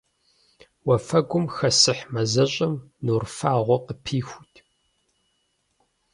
Уафэгум хэсыхь мазэщӀэм нур фагъуэ къыпихут.